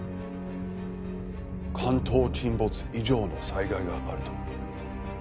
関東沈没以上の災害があると？